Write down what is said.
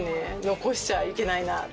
残しちゃいけないな。